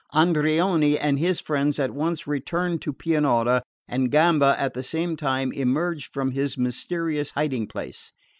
Andreoni and his friends at once returned to Pianura, and Gamba at the same time emerged from his mysterious hiding place.